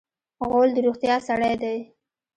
غول د روغتیا سړی دی.